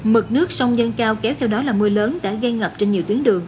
mực nước sông dân cao kéo theo đó là mưa lớn đã gây ngập trên nhiều tuyến đường